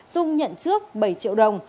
dung nhận trước bảy triệu đồng